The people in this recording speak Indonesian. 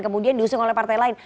kemudian diusung oleh partai lain